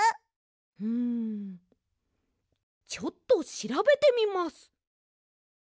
うんちょっとしらべてみます。